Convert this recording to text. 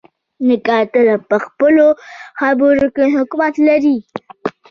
نیکه تل په خپلو خبرو کې حکمت لري.